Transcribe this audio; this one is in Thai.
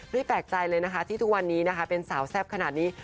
แปลกใจเลยนะคะที่ทุกวันนี้นะคะเป็นสาวแซ่บขนาดนี้